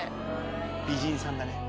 美人さんだね。